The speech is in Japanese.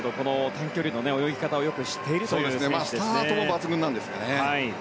短距離の泳ぎ方をよく知っているスタートも抜群なんです。